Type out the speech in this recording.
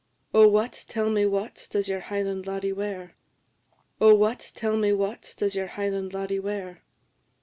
"Oh, what, tell me what, does your Highland laddie wear? Oh, what, tell me what, does your Highland laddie wear?"